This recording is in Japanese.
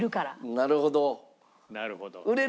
なるほど。